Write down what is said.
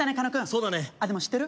そうだねでも知ってる？